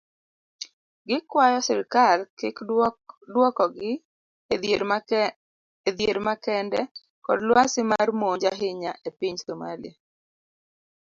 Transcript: Gikwayo sirkal kik duokogi edhier makende kod lwasi mar monj ahinya epiny somalia.